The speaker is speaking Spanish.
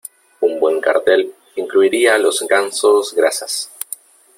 Un buen cartel incluiría los Gansos Grasas.